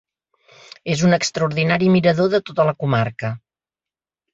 És un extraordinari mirador de tota la comarca.